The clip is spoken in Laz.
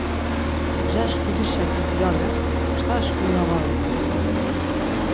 Ncaş dudi şakis yalen, çkar şkurna var uğun.